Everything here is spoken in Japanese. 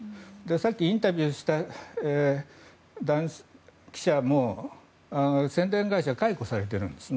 さっきインタビューした記者も宣伝会社を解雇されているんです。